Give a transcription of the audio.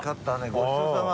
ごちそうさま。